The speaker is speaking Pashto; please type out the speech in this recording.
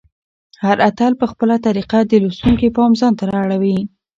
هر اتل په خپله طریقه د لوستونکي پام ځانته اړوي.